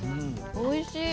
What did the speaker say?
おいしい。